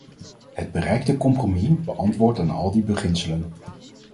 Het bereikte compromis beantwoordt aan al die beginselen.